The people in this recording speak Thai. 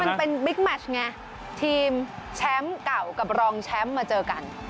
มันเป็นบิ๊กแมชไงทีมแชมป์เก่ากับรองแชมป์มาเจอกัน